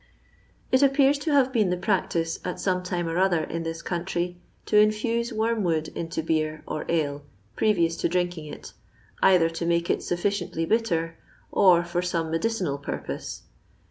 It appears to have been the practice at some time or other in this country to infuse wormwood into beer or ale previous to drinking it, either to make it sufficiently bitter, or for some medicinal purpose.